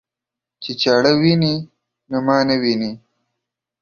چې چاړه ويني نو ما نه ويني.